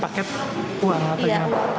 paket uang iya paket uang